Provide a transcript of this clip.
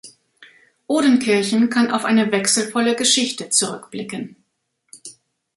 Odenkirchen kann auf eine wechselvolle Geschichte zurückblicken.